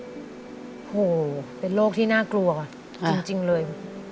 โอ้โหเป็นโรคที่น่ากลัวจริงเลย